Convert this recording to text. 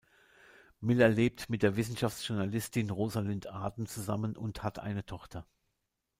Miller lebt mit der Wissenschaftsjournalistin Rosalind Arden zusammen und hat eine Tochter.